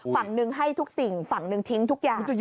ฝั่งหนึ่งให้ทุกสิ่งฝั่งหนึ่งทิ้งทุกอย่าง